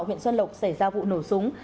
huyện xuân lộc xảy ra vụ nổ súng